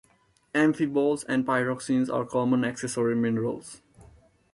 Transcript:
Amphiboles and pyroxenes are common accessory minerals.